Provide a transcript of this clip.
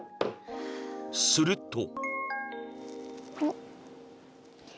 すると